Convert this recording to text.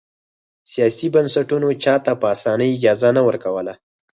سیاسي بنسټونو چا ته په اسانۍ اجازه نه ورکوله.